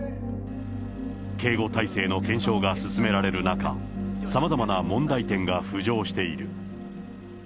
警護態勢の検証が進められる中、さまざまな問題点が浮上している。